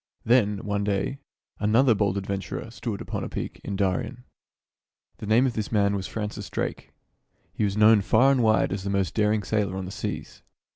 Then, one day, another bold adventurer stood upon a peak in Darien. The name of this man was Francis Drake. He was known far and wide as the most daring sailor on the seas.